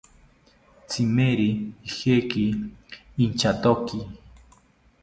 Tzimeri ijeki inchatoki